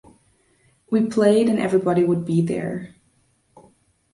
We played and everybody would be there.